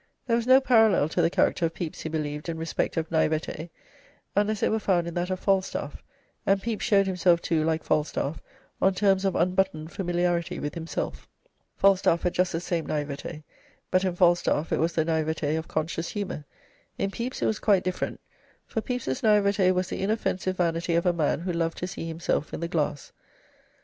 There was no parallel to the character of Pepys, he believed, in respect of 'naivete', unless it were found in that of Falstaff, and Pepys showed himself, too, like Falstaff, on terms of unbuttoned familiarity with himself. Falstaff had just the same 'naivete', but in Falstaff it was the 'naivete' of conscious humour. In Pepys it was quite different, for Pepys's 'naivete' was the inoffensive vanity of a man who loved to see himself in the glass.